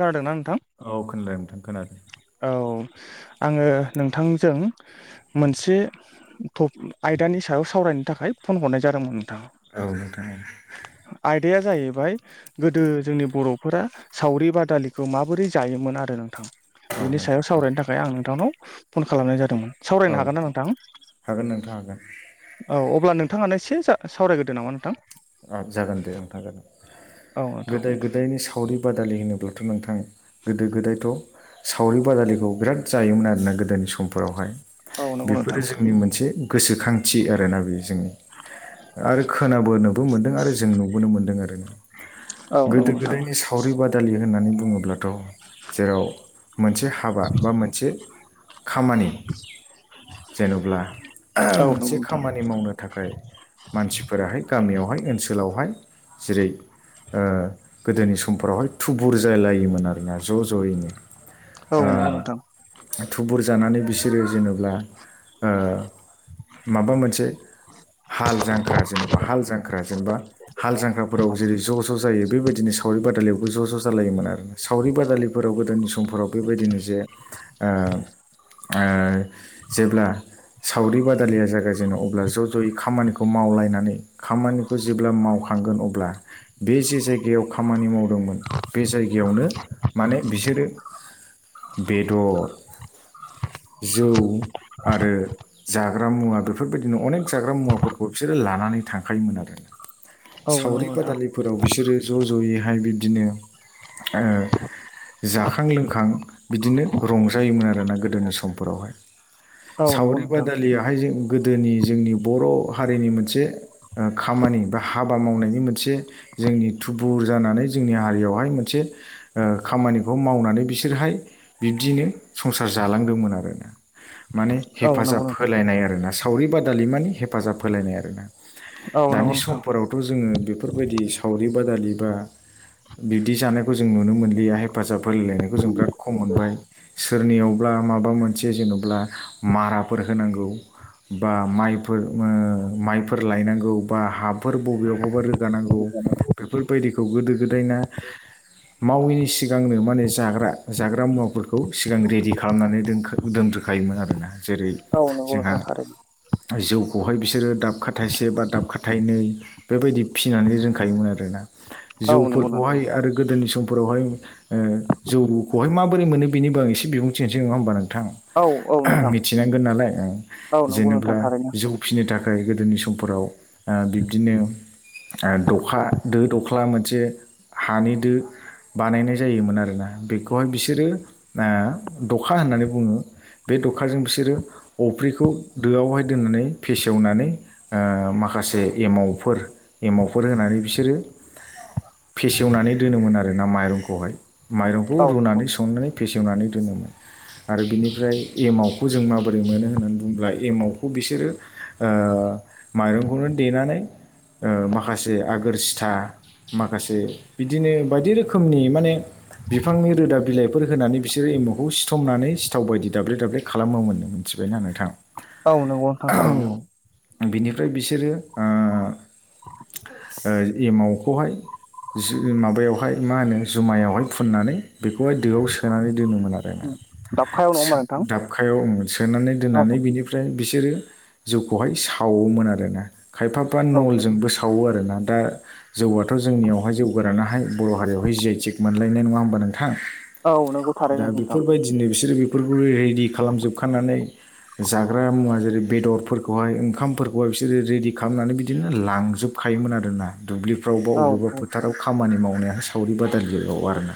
खोनादोंना नोंथां थां खोनादों औ आङो नोंथांजों मोनसे थ आयदानि सायाव सावरायनो थाखाय फन हरनाय जादोंमोन नोंथां औ नोंथां औ आयदाया जाहै बाय गोदो जोंनि बर'फोरा सावरि बादालिखौ माबोरै जायोमोन आरो नोंथां औ बेनि सायाव नोंथां औ सावरायनो थाखाय आं नोंथांनाव फन खालामनाय जादोंमोन सावरायनो हागोन ना नोंथां हागोन नोंथां हागोन औ अब्ला नों थाङानो एसे जा सावरायग्रोदो नामा नोंथां औ जागोन दे नोंथां जागोन औ नोंथां गोदाय गोदायनि सावरि बादालि होनोब्ला थ' नोंथां गोदो गोदायथ' सावरि बादालिखौ बिराद जायोमोन आरोना गोदोनि समफोरावहाय औ नंगौ नोंथां बेफोरो जोंनि मोनसे गोसोखांथि आरोना बेयो जोंनि आरो खोनाबोनो मोनदों आरो जों नुबोनो मोनदों आरो औ गोदो नंगौ नोंथां गोदायनि सावरि बादालि होननानै बुङोब्ला थ जेराव मोनसे हाबा बा मोनसे खामानि जेन'ब्ला औ नंगौ मोनसे नोंथां खामानि मावनो थाखाय मानसिफोराहाय गामियावहाय ओनसोलावहाय जेरै ओ गोदोनि समफोरावहाय थुबुर जालायोमोन आरोना ज' ज'यैनो औ ओ नंगौ नोंथां थुबुर जानानै बिस जेरै जेनब्ला ओ माबा मोनसे हाल जांख्रा जेनेबा हाल जां ख्रा जेनबा हाल जांख्राफोराव जेरै ज' ज' जायो बेबायदिनो सावरि बादालियावबो ज' ज' जालायोमोन आरो ना सावरि बादालिफोराव गोदोनि समफोराव बेबायदिनो जे ओ ओ जेब्ला सावरि बादालिया जागायजेनो अब्ला ज' ज'यै खामानिखौ मावलायनानै खामानिखौ जेब्ला मावखांगोन अब्ला बे जे जायगायाव खामानि मावदोंमोन बे जायगायाव यावनो माने बिसोरो बेदर जौ आरो जाग्रा मुवा बेफोरबायदिनो अनेक जाग्रा मुवाफोरखौ बिसोरो लानानै थाङो खायोमोन आरो औ नंगौ सावरि नोंथां बादालिफोराव बिसोरो ज' ज' जयैहाय बिब्दिनो ओ जाखां लोंखां बिदिनो रंजायोमोन आरोना गोदोनि समफोरावहाय औ नंगौ सावरि नोंथां बादालियाहाय जों गोदोनि जोंनि बर' हारिनि मोनसे ओ खामानि बा हाबा मावनायनि मोनसे जोंनि थुबुर जानानै जोंनि हारियावहाय मोनसे ओ खामानिखौ मावनानै बिसोरहाय बिब्दिनो संसार जालांदोंमोन आरो माने औ हेफाजाब नंगौ नोंथां होलायनाय आरोना सावरि बादालि माने हेफाजाब होलायनाय आरोना औ नंगौ दानि नोंथां समफोरावथ' जोङो बेफोरबायदि सावरि बादालि बा बिब्दि जानायखौ जों नुनो मोनलिया हेफाजाब होलायलायनायखौ जों बिराद खम मोनबाय सोरनियावब्ला बा माबा मोनसे जेनब्ला माराफोर होनांगौ बा माइफोर ओ माइफो फोर लायनांगौ बा हाफोर बबेयावबा रोगानांगौ बेफोरबायदिखौ गोदो गोदायना मावैनि सिगांनो माने जाग्रा जाग्रा मुवाफोरखौ सिगां रेडि खालामनानै दोनखो दोन ग्रोखायोमोन आरोना जेरै जोंहा [unintelligible] जौखौहाय बिसोरो दाबखा थायसे बा दाबखा थायनै बेबायदि फिनानै रोंखायोमोन आरोना औ नंगौ नोंथां जौफोरखौहाय आरो गोदोनि सम फोरावहाय ओ जौ खौहाय माबोरै मोनो बेनि बांगै एसे बिबुंथि होनोसै नङा होनबा नों थां औ औ नोंथां मिथिनांगोन नालाय ओं औ नंगौ नोंथां जेनब्ला थारैनो जौ फिसिनो थाखाय गोदोनि स समफोराव बिब्दिनो दखा दो दख्ला मोनसे हानि दो बानायनाय जायोमोन आरोना बेखौहाय बिसोरो ओ दखा होननानै बुङो बे दखाजों बिसोरो अफ्रिखौ दोआवहाय दोननानै फेसेवनानै ओ माखासे एमावफोर एमावफोर होनानै बिसोरो फेसेवनानै दोनोमोन आरो ना माइरंखौहाय माइरंखौ औ नंगौ रुनानै संनानै फेसेवनानै दोनोमोन आरो बिनिफ्राय एमावखौ जों माबोरै मोनो होननानै बुङोब्ला एमावखौ बिसोरो ओ माइरंखौनो देनानै ओ माखासे आगोर सिथा माखासे बिदिनो बायदि रोखोमनि माने बिफांनि रोदा बिलाइफोर होनानै बिसोरो एमावखौ सिथमनानै सिथाव बायदि दाब्ले दाब्ले खालामोमोननो मोनथि- -बायना नोंथां औ नोंगौ नोथां थारैनो बिनिफ्राय बिसोरो ओ एमावखौहाय माबायावहाय मा होनो जुमायावहाय फुननानै बेखौहाय दोआव सोनानै दोनोमोन आरोना दाबखायाव नङा होमबा नोंथां दाबखायाव सोनानै दोननानै औ बिनिफ्राय बिसोरो जौखौहाय सावोमोन आरोना खायफाफा औ नलजोंबो सावो आरोना दा जौआथ' जोंनियावहाय जौ गोरानाहाय बर' हारियावहाय जिआइ थेक मोनलायनाय नङा होमबा नोंथां औ नंगौ दा थारैनो नोंथां बेफोरबायदिनो बिसोरो बे बेफोरखौ रेडि खालामजोबखानानै जाग्रा मुवा जेरै बेदरफोरखौहाय ओंखाम फोरखौहाय‌ बिसोरो रेडि खालामनानै बिदिनो लांजोबखायोमोन आरोना दुब्लिफ्राव बा औ औ बबेबा नोंथां फोथाराव खामानि मावनाय सावरि बादालियाव आरोना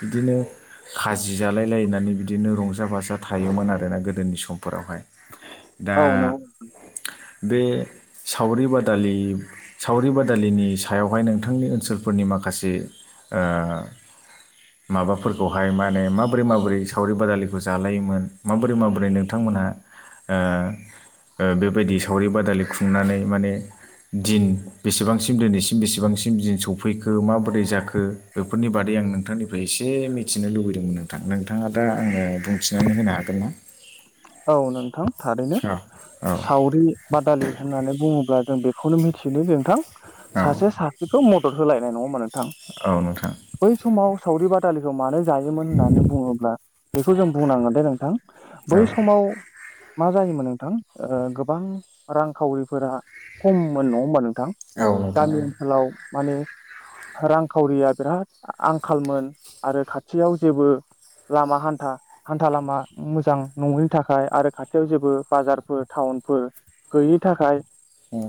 बिदिनो खाजि जालाय लायनानै बिदिनो रंजा बाजा थायोमोन आरोना गोदोनि समफोरावहाय दा औ नंगौ नोंथां बे सावरि बादालि सावरि बादालिनि सायावहाय नोंथांनि ओनसोलफोरनि माखासे ओ माबाफोरखौहाय माने माबोरै माबोरै सावरि बादालिखौ जालायोमोन माबोरै माबोरै नोंथांमोन मोनहा ओ बेबायदि सावरि बादालि खुंनानै माने दिन बेसेबांसिम दिनैसिम बेसेबांसिम दिन सफैखो माबोरै जाखो बेफोरनि बादै आं नोंथांनिफ्राय एसे मिथिनो लुबैदोंमोन नोंथां नोंथाङा दा आङो बुंथिनानै होनो हागोन ना? औ नोंथां थारैनो औ औ सावरि बादालि होननानै बुङो ब्ला जों बेखौनो मिथियो जे नोंथां सासे सासेखौ मदद होलायनाय नङा नोंथां औ नोंथां औ नोंथां बै समाव सावरि बादा- -लिखौ मानो जायोमोन होननानै बुङोब्ला बेखौ जों बुंनांगोन दे नोंथां बै औ समाव मा जायोमोन नोंथां ओ गोबां रांखावरिफोरा खममोन नङा होमबा नोंथां औ नोंथां गामि ओनसोलाव माने रांखावरिया बिराद आंखालमोन आरो खाथियाव जेबो लामा हान्था हान्था लामा मोजां नङिनि थाखाय आरो खाथियाव जेबो बाजारफोर टाउनफोर गैयि थाखाय औ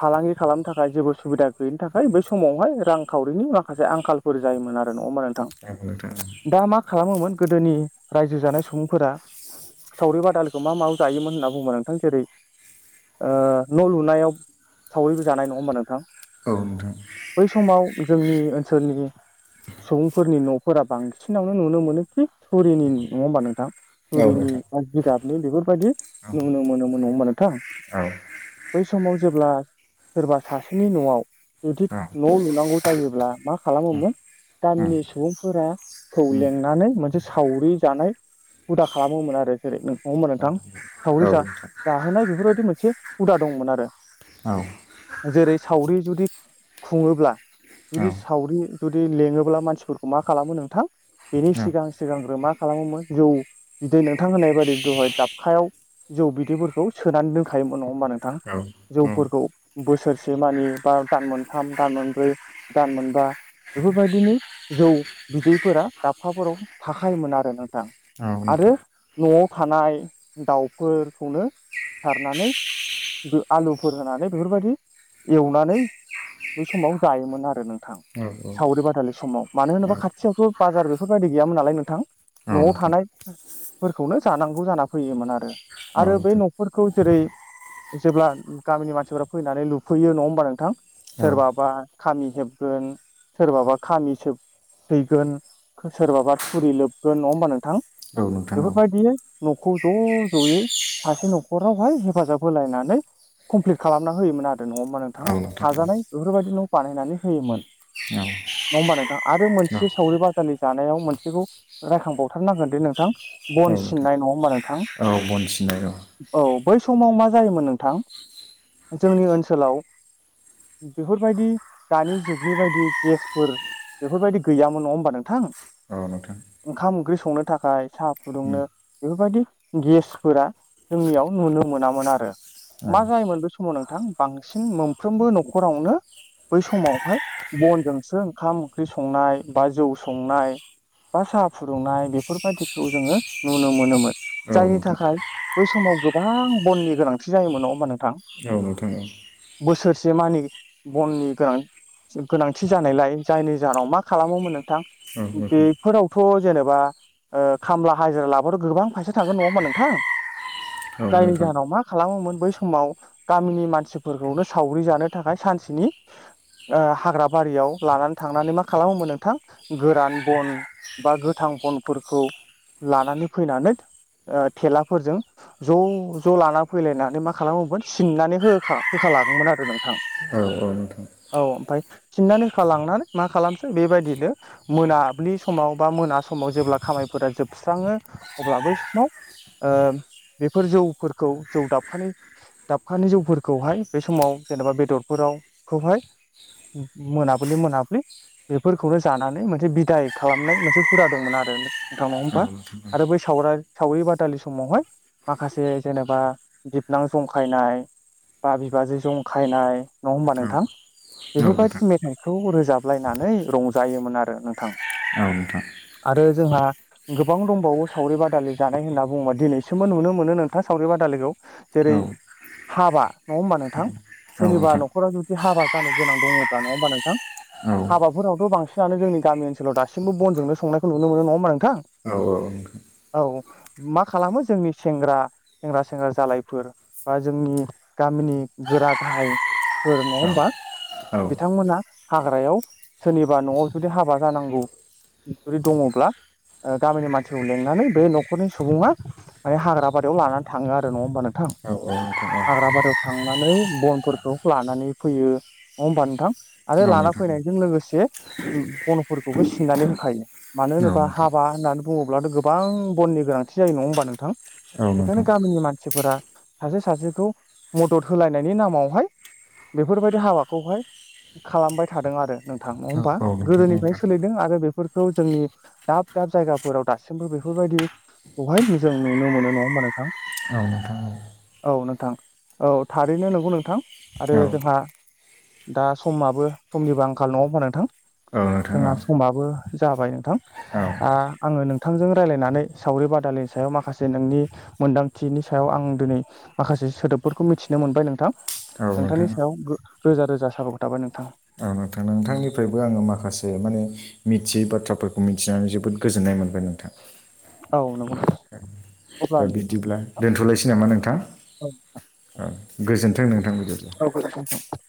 फालांगि खालामनो थाखाय जेबो सुबिदा गैयिनि थाखाय बै समावहाय रांखावरिनि माखासे आंखालफोर जायोमोन आरो नङा होमबा नोंथां नोंथां दा मा खालामोमोन गोदोनि रायजो जानाय सुबुंफोरा सावरि बादालिखौ मा मायाव जायोमोन होनना बुङो नोंथां जेरै ओ न' लुनायाव सावरिबो जानाय नङा होमबा नोंथां औ नोंथां बै समाव जोंनि ओनसोलनि सुबुंफोरनि न'फोरा बांसिनावनो नुनो मोनोखि थुरिनि नङा होमबा नोंथां औ थुरिनि आरो जिराबनि बेफोरबायदि नुनो मोनोमोन नङा होमबा नों औ बे समाव जेब्ला सोरबा सासेनि न'आव जुदि न' लुनांगौ जायोब्ला मा खालामोमोन गामिनि सुबुंफोराखौ लेंनानै मोनसे सावरि जानाय हुदा खालामोमोन आरो जेरै नों नङा होमबा औ नोंथां औ सावरि जायो नोंथां जाहोनाय बेफोरबायदि मोनसे हुदा दंमोन आरो औ जेरै सावरि जुदि खुङोब्ला औ जुदि सावरि जुदि लेङोब्ला मानसिफोरखौ मा खालामो नोंथां बेनि औ सिगां सिगांग्रो मा खालामोमोन जौ बिदै नोंथां होननाय बायदि दहाय दाबखायाव जौ बिदैफोरखौ सोनानै दोनखायोमोन नङा होमबा नोंथां? औ जौफोरखौ बोसोरसे मानि बा दान मोनथाम दान मोनब्रै दान मोनबा बेफोरबायदिनो जौ बिदैफोरा दाब खाफोराव थाखायोमोन आरो नोंथां औ नोंथां औ नोंथां औ नोंथां आरो न'आव थानाय दाउफोरखौनो सिथारनानै आलुफोर होनानै बेफोरबायदि एवनानै बै समाव जायोमोन आरो नों थां औ सावरि बादालि समाव मानो होनोबा खाथियावथ' बाजार बेफोरबायदि गैयामोन नालाय नों औ न'आव नोंथां औ थानायफोरखौनो जानांगौ जाना फैयोमोन आरो आरो बै औ न'फोरखौ जेरै जेब्ला गामिनि मानसिफोरा फैनानै लुफैयो नङा होमबा नोंथां सोरबाबा खामि होबगोन सोरबाबा खामिसोब थैगोन सोरबाबा थुरि लोबगोन नङा होमबा नोंथां औ नोंथां औ बेफोरबायदियै न'खौ ज' ज'यै सासे न'खरावहाय हेफाजाब होलायनानै कमप्लिट खालामना होयोमोन आरो आरो नङा होमबा औ नोंथां थाजानाय बेफोरबायदि न' बानायनानै होयोमोन। नङा होमबा नोंथां आरो मोनसे सावरि बाजारनि जानायाव मोनसेखौ रायखांबावथारनांगोन बे नोंथां बन औ नोंथां सिननाय नङा होबमा नोंथां औ बन सिननाय औ औ बै समाव मा जायोमोन नोंथां जोंनि ओनसोलाव बेफोरबायदि दानि जुगनि बायदि गेसफोर बेफोरबायदि गैयामोन नङा होमबा नोंथां नोंथां औ नोंथां औ नोंथां औ नोंथां औ नोंथां औ नोंथां औ नोंथां औ नोंथां औ नोंथां औ नोंथां औ औ ओंखाम ओंख्रि संनो था खाय साहा फुदुंनो बेफोरबायदि गेसफोरा जोंनियाव नुनो मोनामोन आरो मा जायोमोन बे समाव नोंथां बांसिन मोनफ्रोमबो न'खरावनो बै समावहाय बनजोंसो ओंखाम ओंख्रि संनाय बा जौ संनाय बा साहा फुदुंनाय बेफोर बायदिखौ जोङो नुनो मोनोमोन जायनि थाखाय बै समाव गोबां बननि गोनांथि जायो मोन नङा होमबा नोंथां? औ नोंथां औ बोसोरसे मानि बननि गोनां थि [unintelligible] गोनांथि जानायलाय जायनि जाहोनाव मा खालामोमोन नोंथां बेफोरावथ' जेनेबा ओ खामला हाजिरा लाबथ' गोबां फैसा थांगोन नङा होमबा नोंथां जायनि जाहोनाव मा खालामोमोन बै समाव गामिनि मानसिफोरखौनो सावरि जानो थाखाय सान सेनि ओ हाग्रा बारियाव लानानै थांनानै मा खालामोमोन नोंथां गोरान बन बा गोथां बन फोरखौ लानानै फैनानै ओ थेलाफोरजों ज' ज' लाना फैलायनानै मा खालामोमोन सिननानै होखा होखा लाङोमोन आरो नोंथां औ औ नोंथां औ ओमफाय सिननानै होखालांनानै मा खालामसै बेबायदिनो मोनाब्लि समाव बा मोना ना समाव जेब्ला खामायफोरा जोबस्राङो अब्ला बै समाव ओ बेफोर जौफोरखौ जौ दाबखानै दाबखानै जौफोरखौहाय बे समाव जेनेबा बेदरफो राव खौहाय मोनाबिलि मोनाबिलि बेफोरखौनो जानानै मोनसे बिदाय खालामनाय मोनसे हुदा दंमोन आरो नोंथां नङा होमबा आरो बै सावराय सावरि बादालि समावहाय माखासे जेनेबा बिबनां जंखायनाय बा बिबाजै जंखायनाय नङा होमबा नोंथां बेफोरबायदनो मेथाइ खौ रोजाबलायनानै रंजायोमोन आरो नोंथां आरो जोंहा गोबां दंबावो सावरि बादालि जानाय होनना बुङोबा दिनैसिमबो नुनो मोनो नोंथां सावरि बादालिखौ जेरै औ हाबा नङा होमबा नोंथां सोरनिबा न'खराव जुदि हाबा जानो गोनां दङ'बा नङा होमबा नोंथां? हाबाफोरावथ' बांसिनानो जोंनि गामि ओनसोलाव दासिमबो बनजोंनो संनायखौ नुनो मोनो नङा ओमबा औ औ नोंथां औ मा खालामो जोंनि सेंग्रा सेंग्रा सेंग्रा जालायफोर बा जोंनि गामिनि गोरा गाहायफोर नङा होमबा नोंथां औ बिथांमोना हाग्रायाव सोरनिबा न'आव जुदि हाबा जानांगौ जुदि दङ'ब्ला ओ गामिनि मानसिखौ लेंंनानै बे न'खरनि सुबुङा ओ हाग्राबारियाव लानानै थाङो आरो नङा होमबा नों औ औ नोंथां औ हाग्राबारियाव थांनानै बनफोरखौ लानानै फैयो नङा होमबा नोंथां? आरो औ लाना नोंथां फैनायजों लोगोसे बन'फोरखौबो सिननानै होखायो मानो औ बा नोंथां हाबा होननानै बुङोब्लाथ' गोबां बननि गोनांथि जायो नङा होमबा नोंथां? औ बेखायनो नोंथां गामिनि मानसिफोरा सासे सासेखौ मदद होलायनायनि नामावहाय बेफोरबायदि हाबाखौहाय खालामबाय थादों आरो नोंथां नङा औ होमबा औ नोंथां औ नोंथां औ नोंथां औ गोदोनिफ्रायनो सोलिदों आरो बेफोरखौ जोंनि दाब दाब जायगाफोराव दासिमबो बेफोरबायदिखौहाय जों नुनो मोनो नङा होमबा नोंथां? औ नोंथां औ नोंथां औ थारैनो नंगौ नोंथां आरो औ जोंहा दा समाबो समनिबो आंखाल नङा होमबा नोंथां? जोंहा समाबो जाबाय नोंथां औ आ आङो नोंथांजों रायलायनानै सावरि-बादालिनि सायाव माखासे नोंनि मोन्दांथिनि सायाव आं दिनै माखासे सोदोबफोरखौ मिथिनो मोनबाय नोंथां औ नोंथां नोंथांनि सायाव औ गो रोजा रोजा साबायखर थाबाय नोंथां नोंथां नोंथांनिफ्रायबो आङो माखासे माने मिथियै बाथ्राफोरखौ मिथिनानै जोबोद गोजोननाय मोनबाय नोंथां औ नंगौ अब्ला दा बिदिब्ला दोनथ'लायसै नामा नोंथां औ ओ गोजोनथों नों औ गोजोन्थों नोंथां